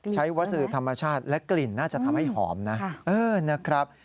ใช้วัสดิ์ธรรมชาติและกลิ่นน่าจะทำให้หอมนะ